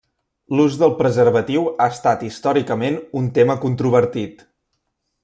L'ús del preservatiu ha estat històricament un tema controvertit.